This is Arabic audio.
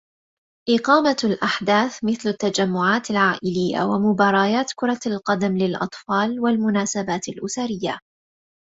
إقامة الأحداث مثل التجمعات العائلية ومباريات كرة القدم للأطفال والمناسبات الأسرية،